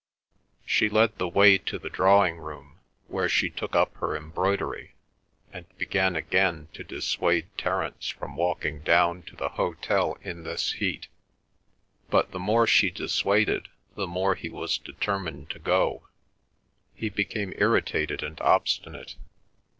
She led the way to the drawing room, where she took up her embroidery, and began again to dissuade Terence from walking down to the hotel in this heat. But the more she dissuaded, the more he was determined to go. He became irritated and obstinate.